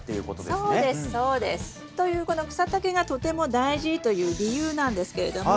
そうですそうです。というこの草丈がとても大事という理由なんですけれども。